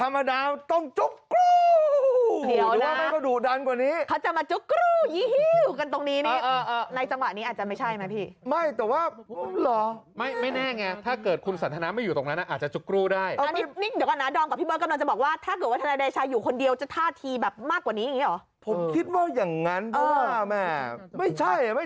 ไม่ใช่ไม่ใช่ฐานายใดชาติที่ผมรู้จักการข่าวแกมาหลายปี